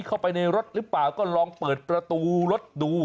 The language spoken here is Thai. เข้าไปในรถหรือเปล่าก็ลองเปิดประตูรถดู